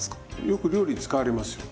よく料理に使われますよ。